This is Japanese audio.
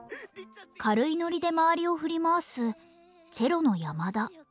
軽いノリで周りを振り回すチェロの山田。